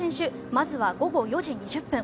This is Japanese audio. まずは午後４時２０分。